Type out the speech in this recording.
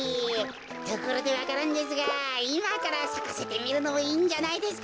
ところでわか蘭ですがいまからさかせてみるのもいいんじゃないですか？